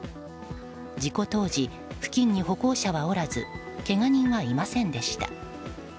事故当時、付近に歩行者はおらずけが人はいませんでした。